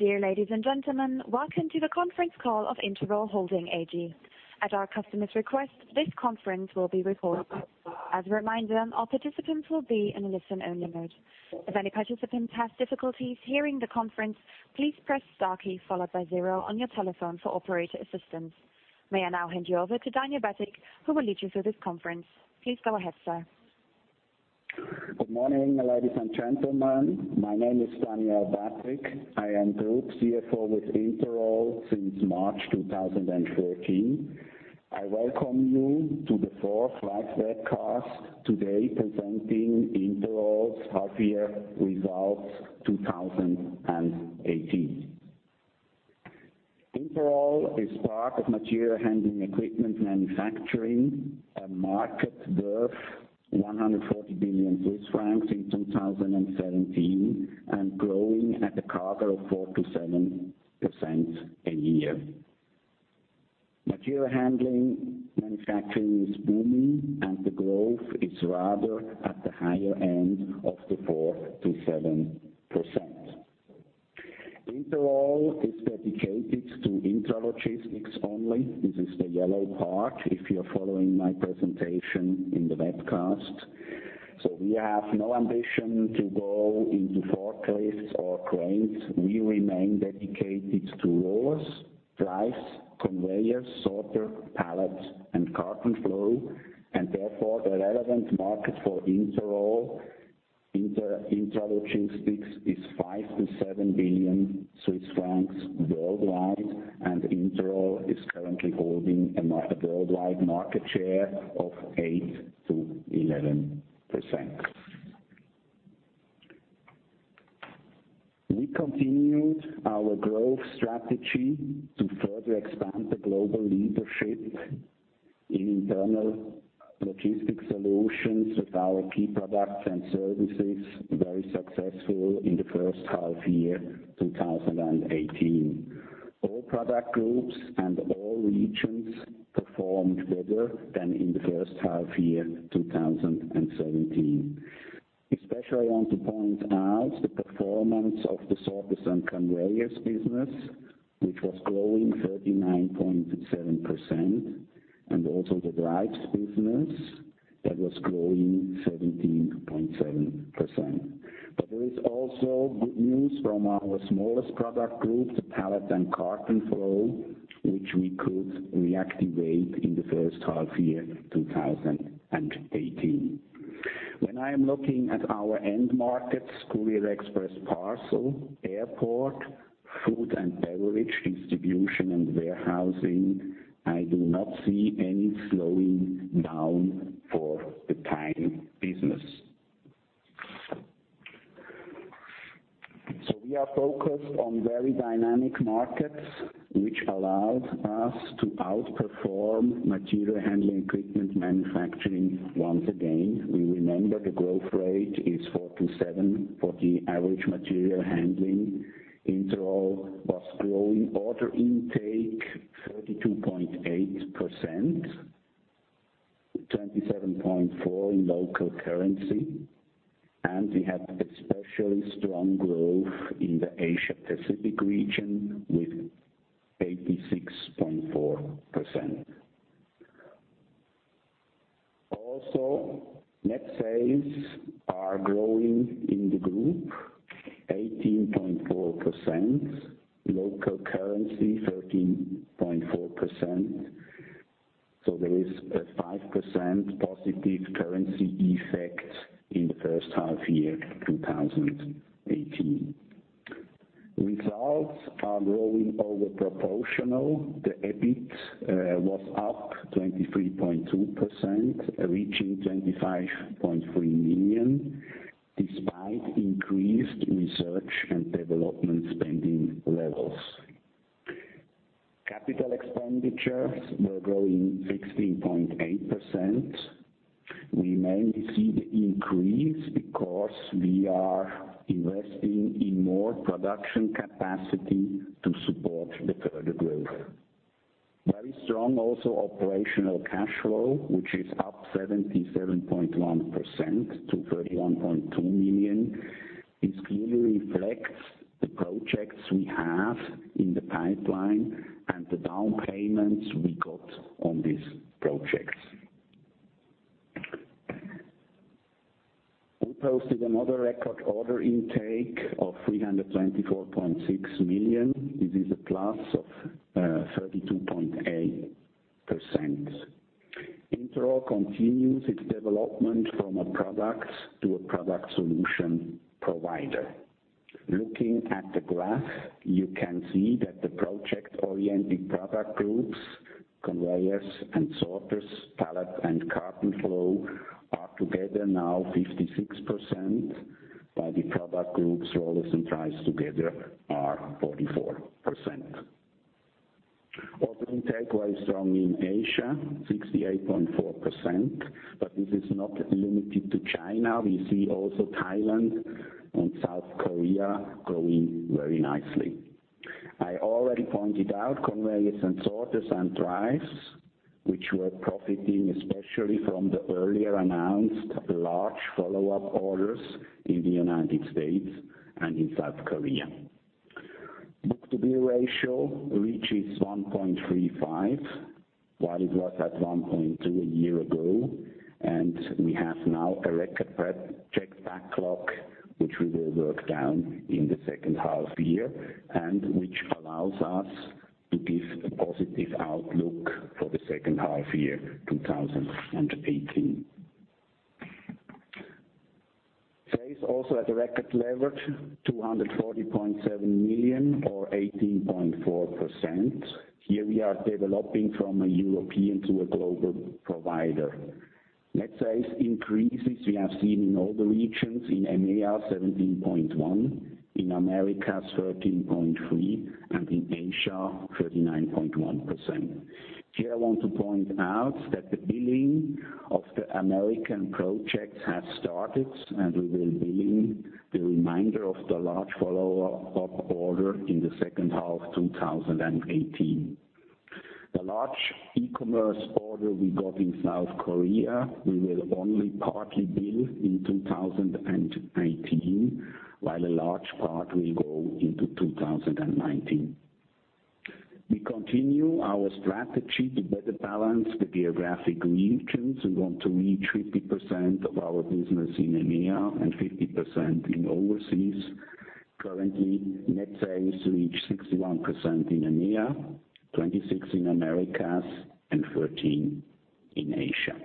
Dear ladies and gentlemen, welcome to the conference call of Interroll Holding AG. At our customer's request, this conference will be recorded. As a reminder, all participants will be in a listen-only mode. If any participant has difficulties hearing the conference, please press star key followed by zero on your telephone for operator assistance. May I now hand you over to Daniel Bättig, who will lead you through this conference. Please go ahead, sir. Good morning, ladies and gentlemen. My name is Daniel Bättig. I am Group CFO with Interroll since March 2014. I welcome you to the fourth live webcast today presenting Interroll's half year results 2018. Interroll is part of material handling equipment manufacturing, a market worth 140 billion Swiss francs in 2017 and growing at a CAGR of 4%-7% a year. Material handling manufacturing is booming and the growth is rather at the higher end of the 4%-7%. Interroll is dedicated to intralogistics only. This is the yellow part, if you're following my presentation in the webcast. We have no ambition to go into forklifts or cranes. We remain dedicated to Rollers, Drives, Conveyors, Sorters, Pallet & Carton Flow. Therefore, the relevant market for Interroll intralogistics is 5 billion-7 billion Swiss francs worldwide, and Interroll is currently holding a worldwide market share of 8%-11%. We continued our growth strategy to further expand the global leadership in internal logistics solutions with our key products and services, very successful in the first half year 2018. All product groups and all regions performed better than in the first half year 2017. I want to point out the performance of the Sorters and Conveyors business, which was growing 39.7%, and also the Drives business that was growing 17.7%. There is also good news from our smallest product group, the Pallet & Carton Flow, which we could reactivate in the first half year 2018. When I am looking at our end markets, courier express parcel, airport, food and beverage distribution, and warehousing, I do not see any slowing down for the time business. We are focused on very dynamic markets, which allows us to outperform material handling equipment manufacturing once again. We remember the growth rate is 4%-7% for the average material handling. Interroll was growing order intake 32.8%, 27.4% in local currency, and we had especially strong growth in the Asia Pacific region with 86.4%. Net sales are growing in the group 18.4%, local currency 13.4%, so there is a 5% positive currency effect in the first half year 2018. Results are growing over proportional. The EBIT was up 23.2%, reaching 25.3 million, despite increased research and development spending levels. Capital expenditures were growing 16.8%. We mainly see the increase because we are investing in more production capacity to support the further growth. Very strong also operational cash flow, which is up 77.1% to 31.2 million, this clearly reflects the projects we have in the pipeline and the down payments we got on these projects. We posted another record order intake of 324.6 million. This is a plus of 32.8%. Interroll continues its development from a product to a product solution provider. Looking at the graph, you can see that the project-oriented product groups, Conveyors and Sorters, Pallet & Carton Flow, are together now 56%, while the product groups, Rollers and Drives together are 44%. Order intake was strong in Asia, 68.4%, but this is not limited to China. We see also Thailand and South Korea growing very nicely. I already pointed out Conveyors and Sorters and Drives, which were profiting especially from the earlier announced large follow-up orders in the United States and in South Korea. Book-to-bill ratio reaches 1.35, while it was at 1.2 a year ago, and we have now a record project backlog, which we will work down in the second half of the year, and which allows us to give a positive outlook for the second half year 2018. Sales also at a record leverage 240.7 million or 18.4%. Here we are developing from a European to a global provider. Net sales increases we have seen in all the regions, in EMEA 17.1%, in Americas 13.3%, and in Asia 39.1%. Here I want to point out that the billing of the American projects has started, and we will bill the reminder of the large follow-up order in the second half of 2018. The large e-commerce order we got in South Korea, we will only partly bill in 2018, while a large part will go into 2019. We continue our strategy to better balance the geographic regions. We want to reach 50% of our business in EMEA and 50% in overseas. Currently, net sales reach 61% in EMEA, 26% in Americas, and 13% in Asia.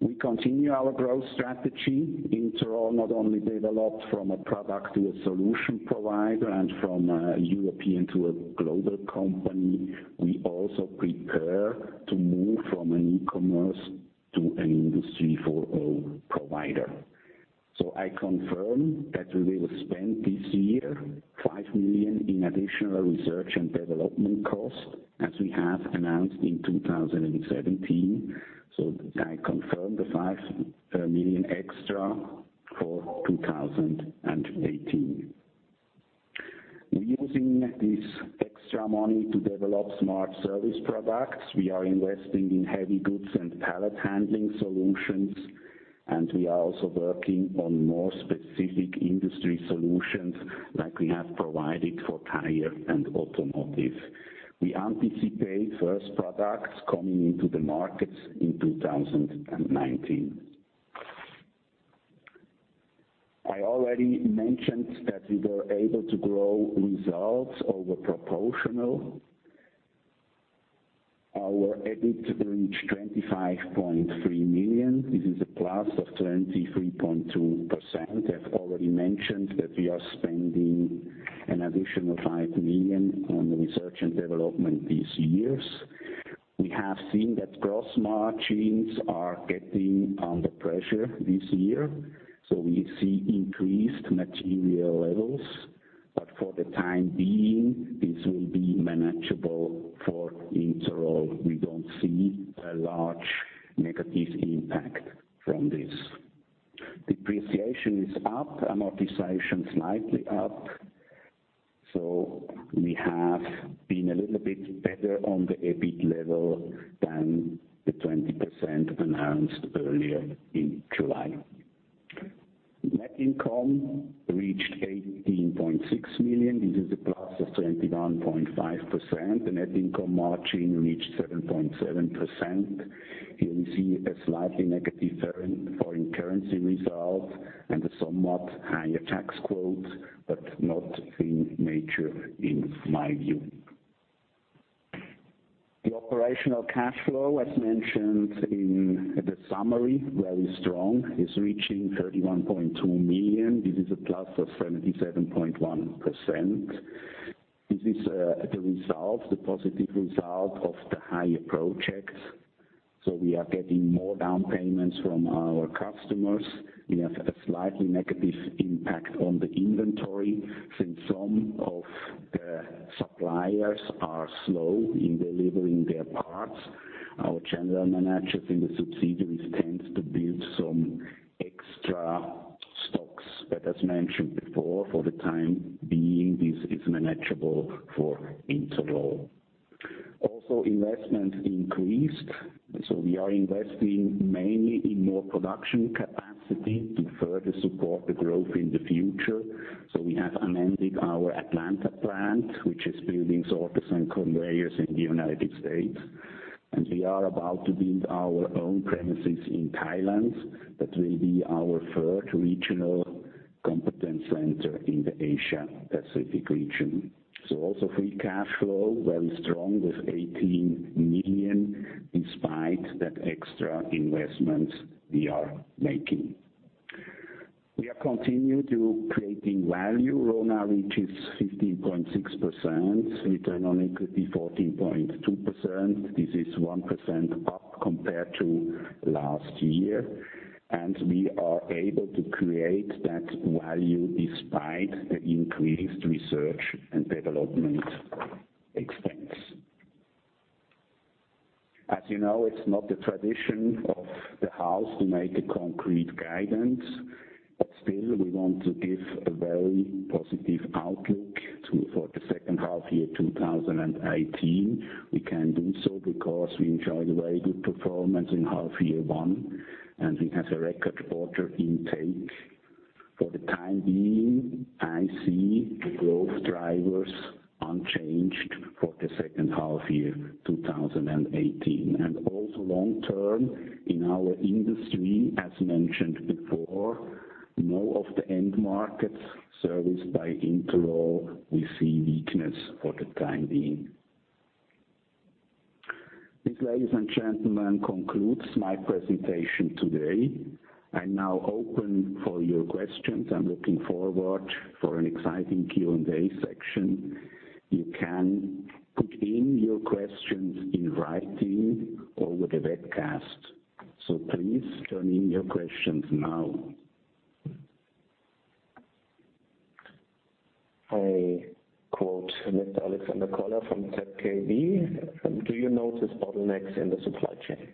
We continue our growth strategy. Interroll not only developed from a product to a solution provider and from a European to a global company, we also prepare to move from an e-commerce to an Industry 4.0 provider. I confirm that we will spend this year 5 million in additional research and development cost, as we have announced in 2017. I confirm the 5 million extra for 2018. We're using this extra money to develop smart service products. We are investing in heavy goods and pallet handling solutions, and we are also working on more specific industry solutions like we have provided for tire and automotive. We anticipate first products coming into the markets in 2019. I already mentioned that we were able to grow results over proportional. Our EBIT reached 25.3 million. This is a plus of 23.2%. I have already mentioned that we are spending an additional 5 million on the research and development these years. We have seen that gross margins are getting under pressure this year, so we see increased material levels. For the time being, this will be manageable for Interroll. We don't see a large negative impact from this. Depreciation is up, amortization slightly up. We have been a little bit better on the EBIT level than the 20% announced earlier in July. Net income reached 18.6 million. This is a plus of 21.5%. The net income margin reached 7.7%. Here we see a slightly negative foreign currency result and a somewhat higher tax quote, but not in nature, in my view. The operational cash flow, as mentioned in the summary, very strong. It's reaching 31.2 million. This is a plus of 77.1%. This is the result, the positive result of the higher projects. We are getting more down payments from our customers. We have a slightly negative impact on the inventory since some of the suppliers are slow in delivering their parts. Our general managers in the subsidiaries tend to build some extra stocks, as mentioned before, for the time being, this is manageable for Interroll. Also investment increased. We are investing mainly in more production capacity to further support the growth in the future. We have amended our Atlanta plant, which is building Sorters and Conveyors in the U.S. We are about to build our own premises in Thailand. That will be our third regional competence center in the Asia-Pacific region. Also free cash flow, very strong with 18 million, in spite the extra investments we are making. We are continue to creating value. RONA reaches 15.6%, return on equity 14.2%. This is 1% up compared to last year, we are able to create that value despite the increased research and development expense. As you know, it's not the tradition of the house to make a concrete guidance, still we want to give a very positive outlook for the second half year 2018. We can do so because we enjoy very good performance in half year one, we have a record order intake. For the time being, I see the growth drivers unchanged for the second half year 2018. Also long term in our industry, as mentioned before, none of the end markets serviced by Interroll, we see weakness for the time being. This, ladies and gentlemen, concludes my presentation today. I'm now open for your questions. I'm looking forward for an exciting Q&A section. You can put in your questions in writing or with the webcast. Please turn in your questions now. I quote Mr. Alexander Koller from ZKB. Do you notice bottlenecks in the supply chain?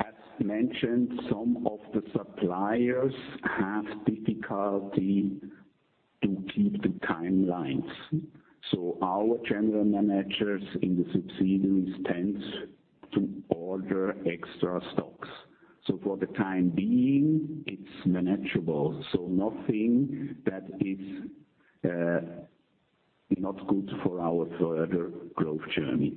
As mentioned, some of the suppliers have difficulty to keep the timelines. Our general managers in the subsidiaries tend to order extra stocks. For the time being, it's manageable. Nothing that is not good for our further growth journey.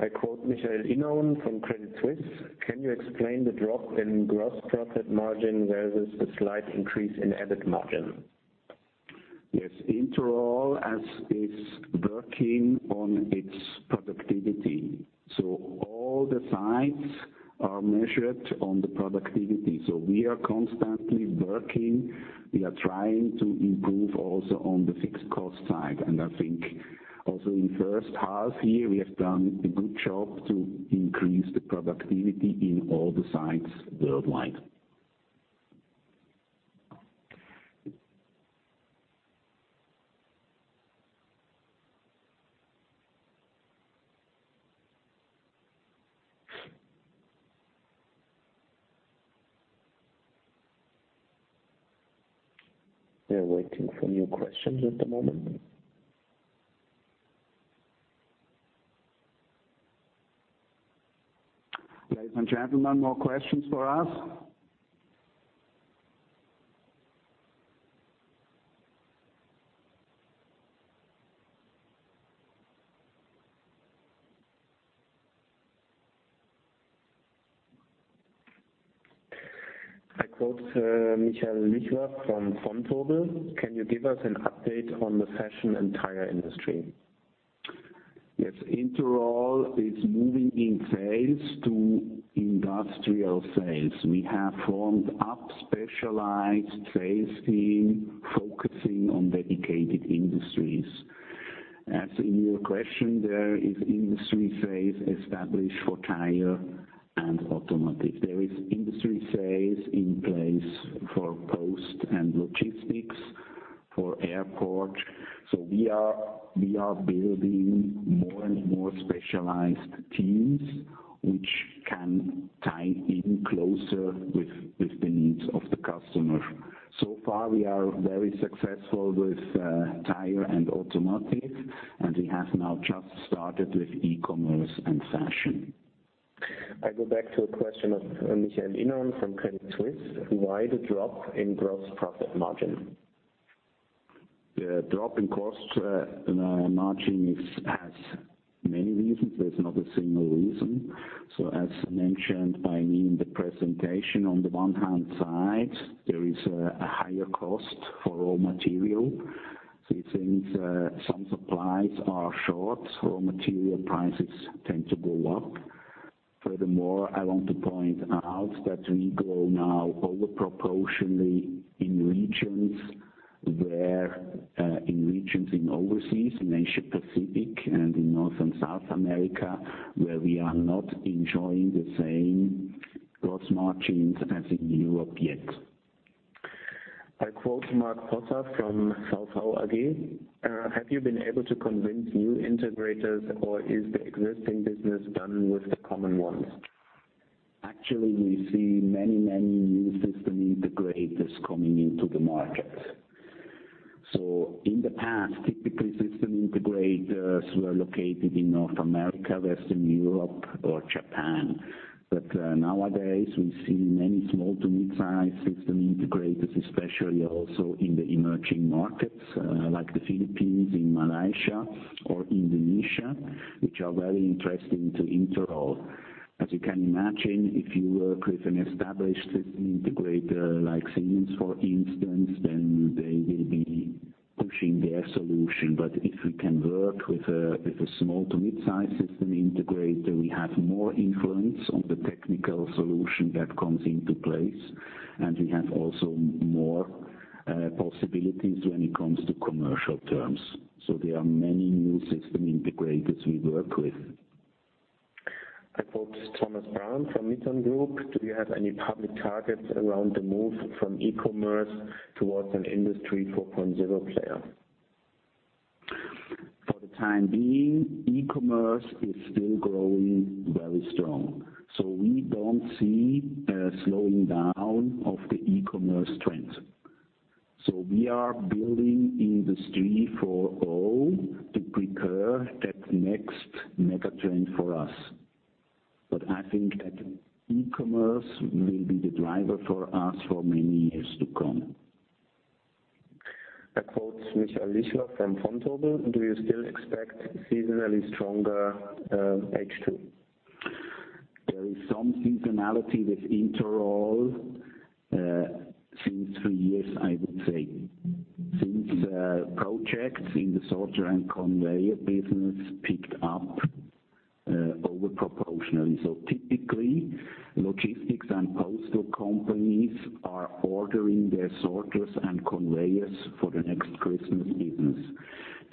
I quote Michael Inauen from Credit Suisse. Can you explain the drop in gross profit margin versus the slight increase in EBIT margin? Yes. Interroll is working on its productivity. All the sites are measured on the productivity. We are constantly working. We are trying to improve also on the fixed cost side. I think also in first half year, we have done a good job to increase the productivity in all the sites worldwide. We're waiting for new questions at the moment. Ladies and gentlemen, more questions for us? I quote Michael Foeth from Vontobel. Can you give us an update on the fashion and tire industry? Yes. Interroll is moving in sales to industrial sales. We have formed up specialized sales team focusing on dedicated industries. As in your question, there is industry sales established for tire and automotive. There is industry sales in place for post and logistics, for airport. We are building more and more specialized teams, which can tie in closer with the needs of the customer. So far, we are very successful with tire and automotive, and we have now just started with e-commerce and fashion. I go back to a question of Michael Inham from Credit Suisse. Why the drop in gross profit margin? The drop in gross margin has many reasons. There's not a single reason. As mentioned by me in the presentation, on the one hand side, there is a higher cost for raw material. These things, some supplies are short, so material prices tend to go up. Furthermore, I want to point out that we grow now over proportionally in regions in overseas, in Asia Pacific and in North and South America, where we are not enjoying the same gross margins as in Europe yet. I quote Marc Possa from [VAUAG]. Have you been able to convince new integrators, or is the existing business done with the common ones? Actually, we see many new system integrators coming into the market. In the past, typically system integrators were located in North America, Western Europe, or Japan. Nowadays, we see many small to mid-size system integrators, especially also in the emerging markets, like the Philippines, in Malaysia or Indonesia, which are very interesting to Interroll. As you can imagine, if you work with an established system integrator like Siemens, for instance, they will be pushing their solution. If we can work with a small to mid-size system integrator, we have more influence on the technical solution that comes into place, and we have also more possibilities when it comes to commercial terms. There are many new system integrators we work with. I quote Thomas Brown from Miton Group: Do you have any public targets around the move from e-commerce towards an Industry 4.0 player? For the time being, e-commerce is still growing very strong. We don't see a slowing down of the e-commerce trend. We are building Industry 4.0 to prepare that next mega trend for us. I think that e-commerce will be the driver for us for many years to come. I quote Michal Lichvar from Vontobel: Do you still expect seasonally stronger H2? There is some seasonality with Interroll, since two years, I would say. Typically, logistics and postal companies are ordering their sorters and Conveyors for the next Christmas business.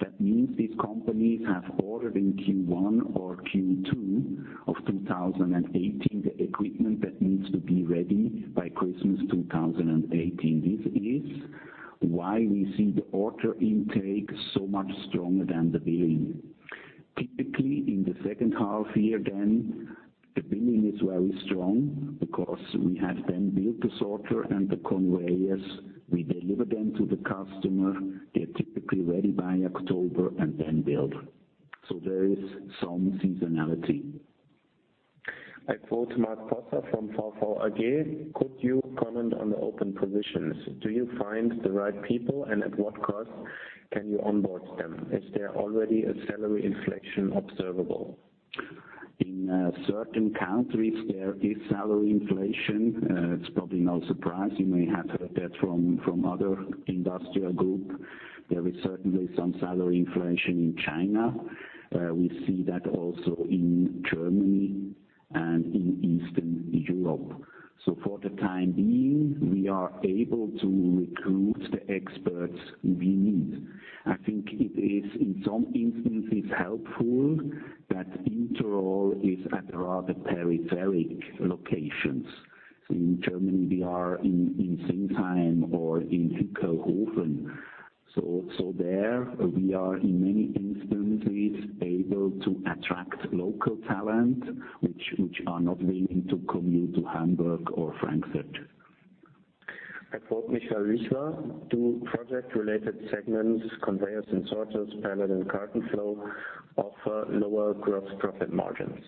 That means these companies have ordered in Q1 or Q2 of 2018, the equipment that needs to be ready by Christmas 2018. This is why we see the order intake so much stronger than the billing. Typically, in the second half year then, the billing is very strong because we have then built the sorter and the Conveyors. We deliver them to the customer. They're typically ready by October and then billed. There is some seasonality. I quote Markus Poser from [44 AG]: Could you comment on the open positions? Do you find the right people, and at what cost can you onboard them? Is there already a salary inflation observable? In certain countries, there is salary inflation. It's probably no surprise. You may have heard that from other industrial group. There is certainly some salary inflation in China. We see that also in Germany and in Eastern Europe. For the time being, we are able to recruit the experts we need. I think it is in some instances helpful that Interroll is at rather peripheric locations. In Germany, we are in Sinsheim or in Hückelhoven. There we are in many instances able to attract local talent, which are not willing to commute to Hamburg or Frankfurt. I quote Michael Flichler: Do project-related segments, Conveyors and Sorters, Pallet & Carton Flow, offer lower gross profit margins?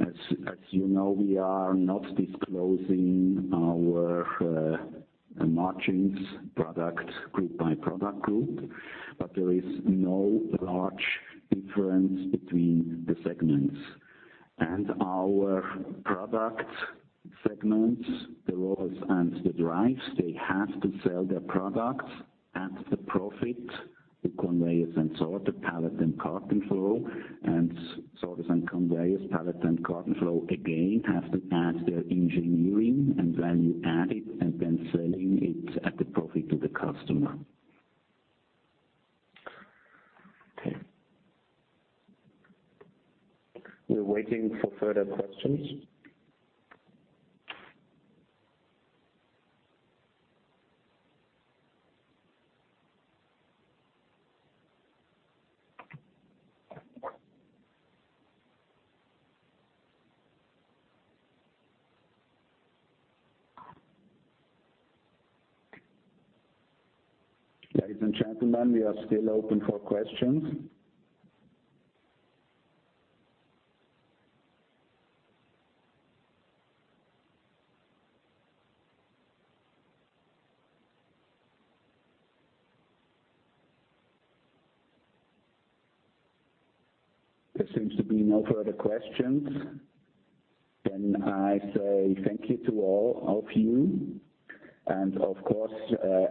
As you know, we are not disclosing our margins product group by product group, there is no large difference between the segments. Our product segments, the Rollers and the Drives, they have to sell their products at the profit to Conveyors and Sorters, Pallet & Carton Flow. Sorters and Conveyors, Pallet & Carton Flow, again, have to add their engineering and value-add it and then selling it at a profit to the customer. Okay. We're waiting for further questions. Ladies and gentlemen, we are still open for questions. There seems to be no further questions. I say thank you to all of you. Of course,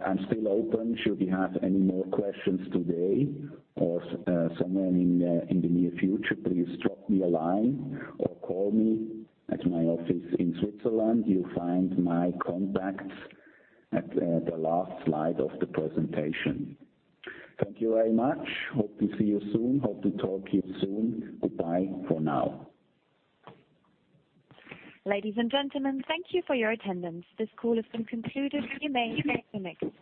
I'm still open should we have any more questions today or somewhere in the near future. Please drop me a line or call me at my office in Switzerland. You'll find my contacts at the last slide of the presentation. Thank you very much. Hope to see you soon. Hope to talk to you soon. Goodbye for now. Ladies and gentlemen, thank you for your attendance. This call has been concluded. You may disconnect.